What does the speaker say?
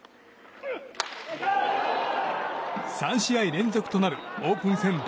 ３試合連続となるオープン戦